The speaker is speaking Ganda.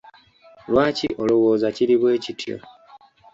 Lwaki olowooza kiri bwekityo?